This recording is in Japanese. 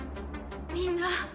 みんな。